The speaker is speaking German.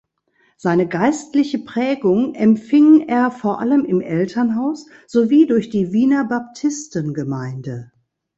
Seine geistliche Prägung empfing er vor allem im Elternhaus sowie durch die Wiener Baptistengemeinde.